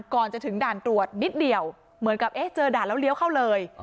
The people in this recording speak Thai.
ก่อนจะถึงด่านตรวจนิดเดียวเหมือนกับเอ๊ะเจอด่านแล้วเลี้ยวเข้าเลย